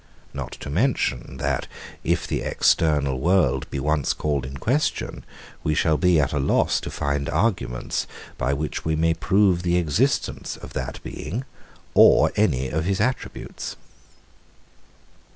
Not to mention, that, if the external world be once called in question, we shall be at a loss to find arguments, by which we may prove the existence of that Being or any of his attributes.